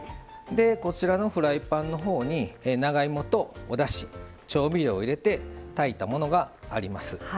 フライパンのほうに長芋と、おだし調味料を入れて炊いたものがあります。